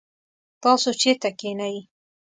تاسو چیرته کښېنئ؟